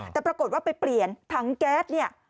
แต่ปรากฏว่าไปเปลี่ยนถังแก๊สเนี่ย